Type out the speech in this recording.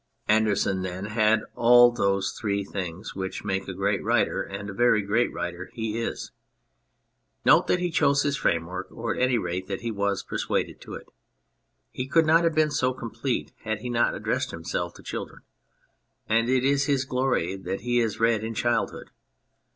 Andersen, then, had all those three things which make a great writer, and a very great writer he is. Note that he chose his framework, or, at any rate, that he was persuaded to it. He could not have been so complete had he not addressed himself to children, and it is his glory that he is read in childhood.